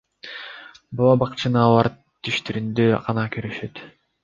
Бала бакчаны алар түштөрүндө гана көрүшөт.